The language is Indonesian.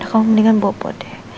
nah kamu mendingan bawa bawa deh